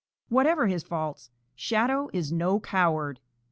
Whatever his faults, Shadow is no coward.